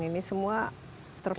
ini semua terkenungi